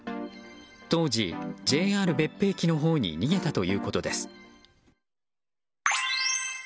当時、ＪＲ別府駅のほうに逃げたということです。